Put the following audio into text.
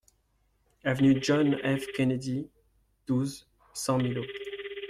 Avenue John F Kennedy, douze, cent Millau